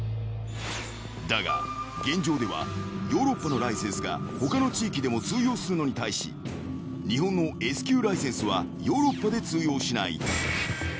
［だが現状ではヨーロッパのライセンスが他の地域でも通用するのに対し日本のＳ級ライセンスはヨーロッパで通用しない］